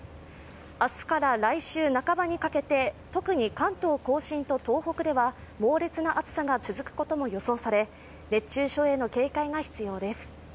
明日から来週半ばにかけて特に関東甲信と東北では猛烈な暑さが続くことも予想され熱中症への警戒が必要です。